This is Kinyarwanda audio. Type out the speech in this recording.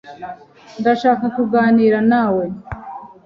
Ndashaka kuganira nawe.